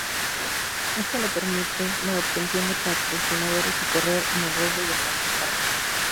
Esto le permite la obtención de patrocinadores y correr en el Rally de Montecarlo.